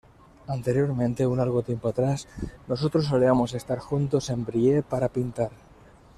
Anteriormente, un largo tiempo atrás, nosotros solíamos estar juntos en Brie para pintar.